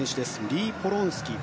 リー・ポロンスキ。